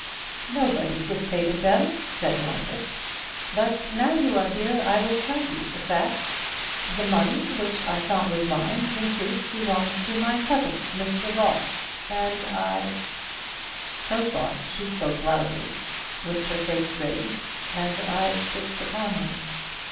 "Nobody dictated them," said Margaret. "But now you are here, I will tell you the facts. The money which I thought was mine, in truth belongs to my cousin, Mr John Ball, and I " So far she spoke loudly, With her face raised, and her eyes fixed upon him.